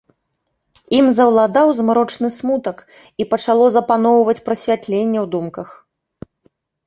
Ім заўладаў змрочны смутак, і пачало запаноўваць прасвятленне ў думках.